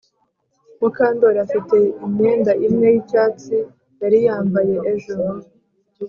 Mukandoli afite imyenda imwe yicyatsi yari yambaye ejo